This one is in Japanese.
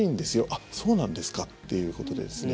あっ、そうなんですかということでですね